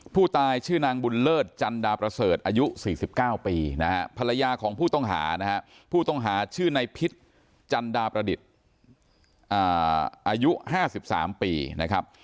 ผู้ตายชื่อนางบุญเลิศจันดาประเสริฐอายุ๔๙ปีนะฮะภรรยาของผู้ต้องหานะฮะผู้ต้องหาชื่อในพิษจันดาประดิษฐ์อายุ๕๓ปีนะครับ